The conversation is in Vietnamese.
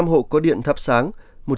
một trăm linh hộ có điện thắp sáng